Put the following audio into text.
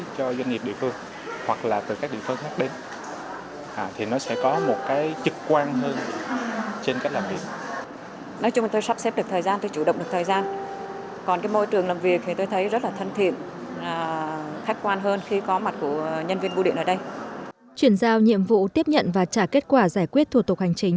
chuyển giao nhiệm vụ tiếp nhận và trả kết quả giải quyết thủ tục hành chính